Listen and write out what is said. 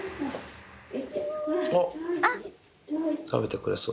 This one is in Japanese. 食べてくれそう。